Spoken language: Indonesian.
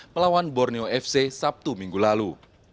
melawan borneo fc sabtu minggu lalu